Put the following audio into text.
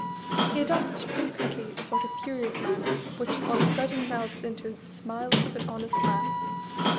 He adopts frequently a sort of furious manner which on a sudden melts into the smile of an honest man.